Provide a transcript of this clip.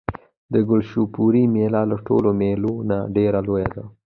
د کلشپورې مېله له ټولو مېلو نه ډېره لویه وه.